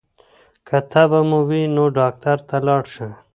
که تبه مو وي ډاکټر ته لاړ شئ.